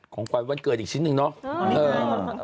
ของขวัญวันเกิดอีกชิ้นหนึ่งเนาะ